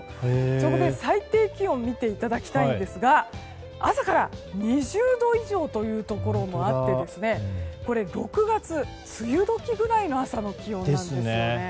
そこで最低気温を見ていただきたいんですが朝から２０度以上というところもあってこれは６月梅雨時ぐらいの気温なんです。